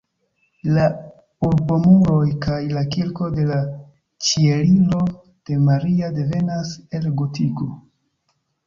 La urbomuroj kaj la kirko de la Ĉieliro de Maria devenas el gotiko.